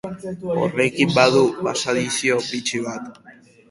Horrekin badu pasadizo bitxi bat.